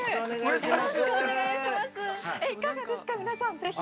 いかがですか、皆さん、ぜひ。